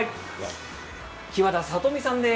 木和田里美さんです。